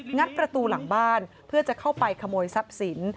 งัดประตูหลังบ้านเพื่อจะเข้าไปขโมยทรัพย์สิน